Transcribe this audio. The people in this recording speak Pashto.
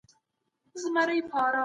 سالم ذهن د روغتیا او پرمختګ لامل دی.